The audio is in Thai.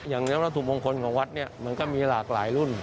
อย่างนี้วัดถุงมงคลของวัดมันก็มีหลากหลายรุ่น